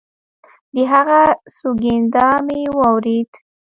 د هغه سونګېدا مې واورېد.